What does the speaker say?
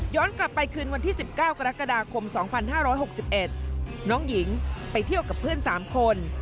กลับไปคืนวันที่๑๙กรกฎาคม๒๕๖๑น้องหญิงไปเที่ยวกับเพื่อน๓คน